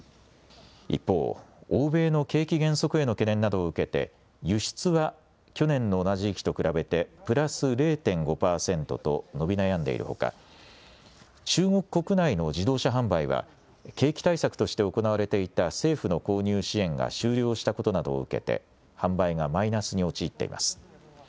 一方、欧米の景気減速への懸念などを受けて、輸出は去年の同じ時期と比べてプラス０．５％と伸び悩んでいるほか、中国国内の自動車販売は、景気対策として行われていた政府の購入支援が終了したことなどを受けて、販売がマイナスに陥っています。